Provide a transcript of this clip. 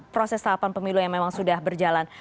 proses tahapan pemilu yang memang sudah berjalan